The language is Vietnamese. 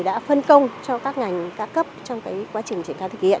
đã phân công cho các ngành ca cấp trong quá trình triển khai